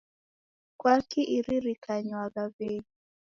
Kwaki iririkanywagha wei.